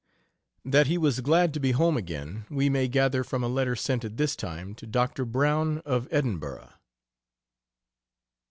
That he was glad to be home again we may gather from a letter sent at this time to Doctor Brown, of Edinburgh.